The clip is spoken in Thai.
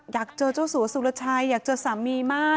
อยากเจอเจ้าสัวสุรชัยอยากเจอสามีมาก